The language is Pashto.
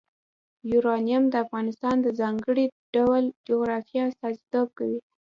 یورانیم د افغانستان د ځانګړي ډول جغرافیه استازیتوب کوي.